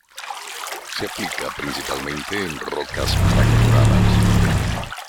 Se aplica principalmente en rocas fracturadas.